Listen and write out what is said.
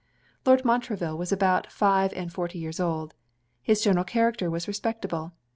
Lord Montreville was about five and forty years old. His general character was respectable.